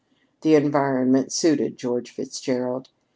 The environment suited George Fitzgerald.